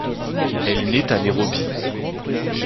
Elle naît à Nairobi.